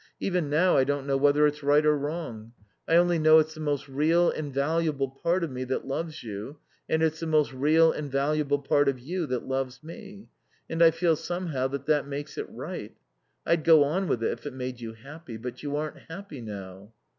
Even now I don't know whether it's right or wrong. I only know it's the most real and valuable part of me that loves you, and it's the most real and valuable part of you that loves me; and I feel somehow that that makes it right. I'd go on with it if it made you happy. But you aren't happy now."